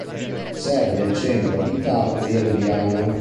Serve il centro abitato di Alviano.